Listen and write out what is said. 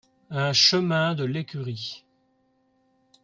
un chemin de l'Ecurie